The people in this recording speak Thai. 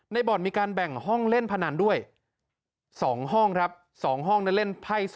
บ่อนมีการแบ่งห้องเล่นพนันด้วย๒ห้องครับ๒ห้องนั้นเล่นไพ่๒